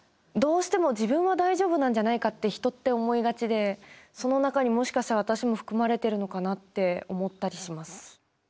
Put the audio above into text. どうしても自分は大丈夫なんじゃないかって人って思いがちでその中にもしかしたら私も含まれてるのかなって思ったりします。